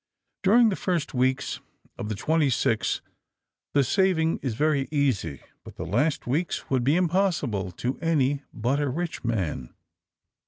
During the first weeks of the twenty six the saving is very easy. But the last weeks would be impossible to any but a rich man.